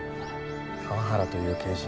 河原という刑事